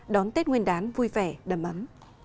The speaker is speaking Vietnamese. đón tết nguyên đán vui vẻ đầm ấm